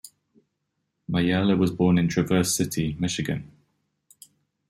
Majerle was born in Traverse City, Michigan.